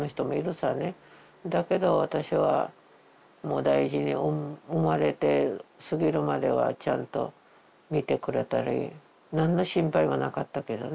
だけど私はもう大事に産まれて過ぎるまではちゃんと見てくれたり何の心配もなかったけどね。